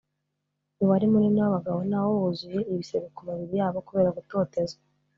umubare munini w’abagabo nawo wuzuye ibisebe ku mibiri yabo kubera gutotezwa